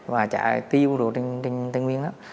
và chạ tiêu đồ trên tây nguyên đó